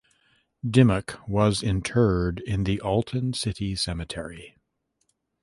Dimmock was interred in the Alton City Cemetery.